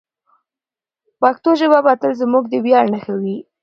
پښتو ژبه به تل زموږ د ویاړ نښه وي.